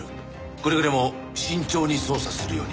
くれぐれも慎重に捜査するように。